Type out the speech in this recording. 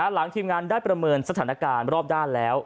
หลังทีมงานได้ประเมินสถานการณ์รอบด้านแล้ว